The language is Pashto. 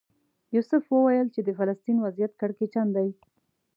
یوسف وویل چې د فلسطین وضعیت کړکېچن دی.